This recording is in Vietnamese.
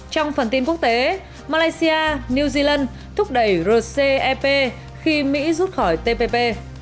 trong phần tin quốc tế malaysia new zealand thúc đẩy russia ep khi mỹ rút khỏi tpp